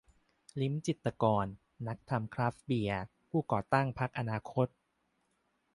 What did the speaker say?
ลิ้มจิตรกร นักทำคราฟต์เบียร์ ผู้ก่อตั้งพรรคอนาคต